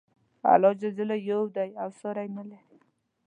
الله ج یو دی او ساری نه لري.